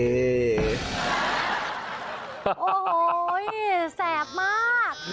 โหโหเสบมาก